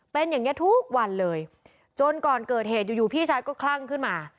เป็นอย่างนี้ทุกวันเลยจนก่อนเกิดเหตุอยู่อยู่พี่ชายก็คลั่งขึ้นมา